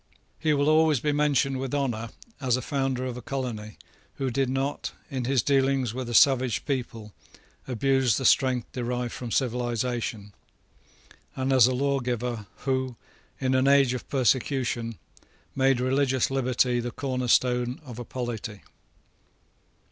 He will always be mentioned with honour as a founder of a colony, who did not, in his dealings with a savage people, abuse the strength derived from civilisation, and as a lawgiver who, in an age of persecution, made religious liberty the cornerstone of a polity.